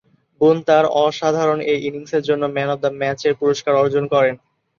বুন তাঁর অসাধারণ এ ইনিংসের জন্যে ম্যান অব দ্য ম্যাচের পুরস্কার অর্জন করেন।